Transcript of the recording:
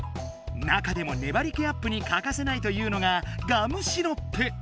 なかでもねばり気アップにかかせないというのがガムシロップ。